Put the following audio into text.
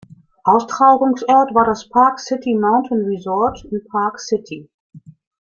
Austragungsort war das Park City Mountain Resort in Park City.